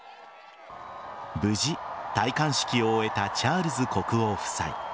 無事、戴冠式を終えたチャールズ国王夫妻。